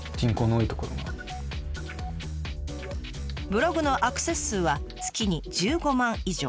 ブログのアクセス数は月に１５万以上。